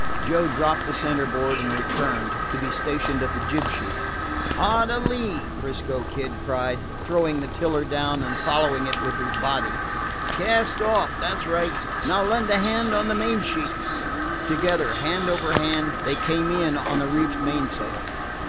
Joe dropped the centerboard and returned, to be stationed at the jib sheet. "Hard a lee!" 'Frisco Kid cried, throwing the tiller down, and following it with his body. "Cast off! That 's right. Now lend a hand on the main sheet!" Together, hand over hand, they came in on the reefed mainsail.